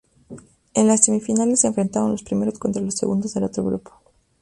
En las semifinales se enfrentan los primeros contra los segundos del otro grupo.